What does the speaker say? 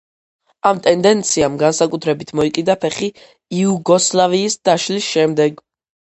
ამ ტენდენციამ განსაკუთრებით მოიკიდა ფეხი იუგოსლავიის დაშლის შემდეგ.